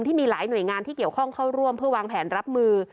ที่มีหลายหน่วยงานที่เกี่ยวข้องเข้าร่วมเพื่อวางแผนรับมือ